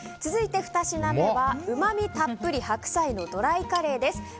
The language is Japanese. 続いて２品目はうま味たっぷり白菜のドライカレーです。